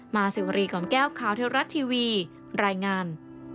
มาสิวารีของแก้วขาวเทวรัฐทีวีรายงาน